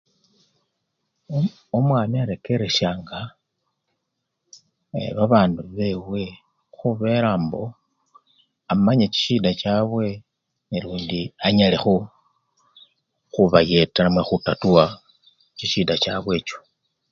Omwami arekereshanga babandu bewe khubela mbo amanye chishida chabwe nalundi anyale khubayeta namwe khutatuwa chishida chabwe echo.